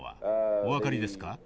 お分かりですか？